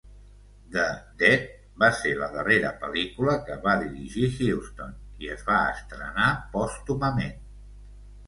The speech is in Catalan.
"The Dead" va ser la darrera pel·lícula que va dirigir Huston, i es va estrenar pòstumament.